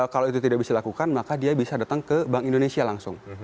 kalau itu tidak bisa dilakukan maka dia bisa datang ke bank indonesia langsung